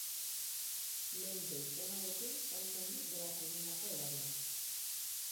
Menpe izenarekin saltzen du berak egindako edaria.